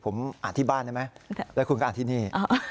ผมอ่านที่บ้านได้ไหมแล้วคุณก็อ่านที่นี่